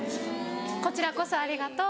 「こちらこそありがとう」。